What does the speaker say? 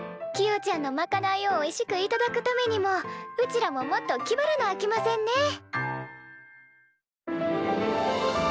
キヨちゃんのまかないをおいしく頂くためにもうちらももっときばらなあきませんね。